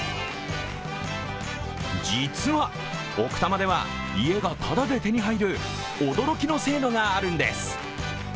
実は、奥多摩では家がただで手に入る驚きの制度があるんです。